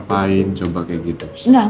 permisi bu dokter ini jusnya